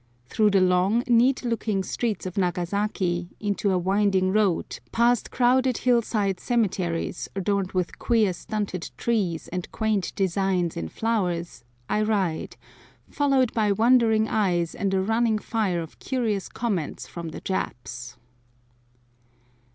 Through the long, neat looking streets of Nagasaki, into a winding road, past crowded hill side cemeteries, adorned with queer stunted trees and quaint designs in flowers, I ride, followed by wondering eyes and a running fire of curious comments from the Japs.